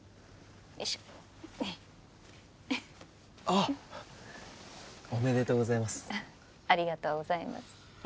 よいしょあっおめでとうございますありがとうございます